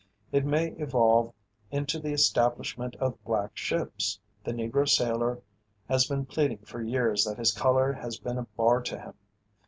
It may evolve into the establishment of "black ships." The Negro sailor has been pleading for years that his color has been a bar to him.